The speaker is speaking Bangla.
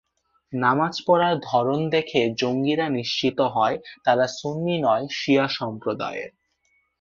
নামাজ পড়ার ধরন দেখে জঙ্গিরা নিশ্চিত হয়, তাঁরা সুন্নি নয়, শিয়া সম্প্রদায়ের।